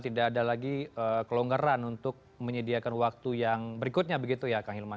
tidak ada lagi kelonggaran untuk menyediakan waktu yang berikutnya begitu ya kang hilman